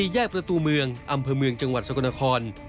แยกประตูเมืองอำเภอเมืองจังหวัดสกลนคร